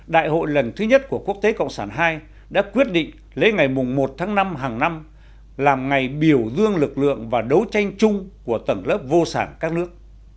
đại hội lần thứ nhất của quốc tế cộng sản ii đã quyết định lấy ngày một tháng năm hàng năm làm ngày biểu dương lực lượng và đấu tranh chung của tầng lớp vô sản các nước